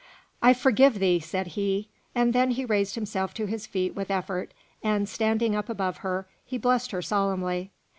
"I forgive thee!" said he. And then he raised himself to his feet with effort, and, standing up above her, he blessed her solemnly.